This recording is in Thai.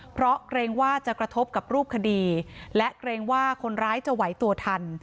เพราะเกรงว่าจะกระทบกับรูปคดีและเกรงว่าคนร้ายจะไหวตัวทัน